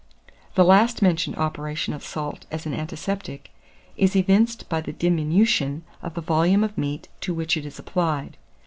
The last mentioned operation of salt as an antiseptic is evinced by the diminution of the volume of meat to which it is applied.